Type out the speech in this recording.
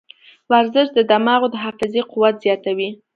ورزش د دماغو د حافظې قوت زیاتوي.